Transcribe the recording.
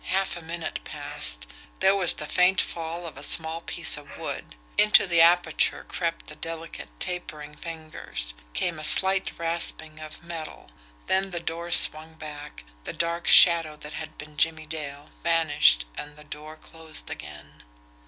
Half a minute passed there was the faint fall of a small piece of wood into the aperture crept the delicate, tapering fingers came a slight rasping of metal then the door swung back, the dark shadow that had been Jimmie Dale vanished and the door closed again.